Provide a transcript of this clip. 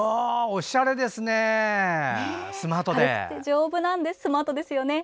おしゃれですね。